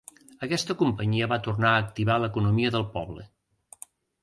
Aquesta companyia va tornar a activar l'economia del poble.